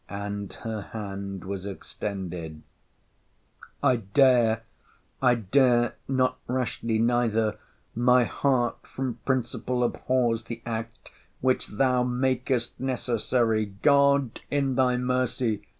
'—[And her hand was extended] 'I dare—I dare—not rashly neither—my heart from principle abhors the act, which thou makest necessary!—God, in thy mercy!